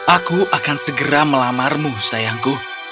aku akan segera melamarmu sayangku